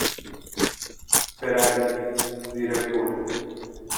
بروید زیر پل.